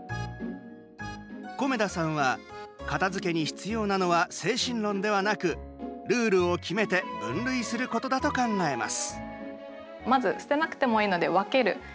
米田さんは、片づけに必要なのは精神論ではなくルールを決めて分類することだと考えます。